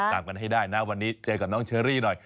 ตามกันให้ได้นะวันนี้เจอกับน้องเชอรี่หน่อย